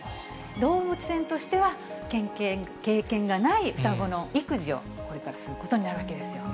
動物園としては、経験がない双子の育児をこれからすることになるわけですよ。